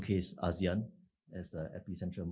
bagaimana kita dapat menunjukkan asean